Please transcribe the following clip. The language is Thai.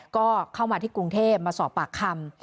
ก็เข้ามาที่กรุงเทพมาสอบปากคำ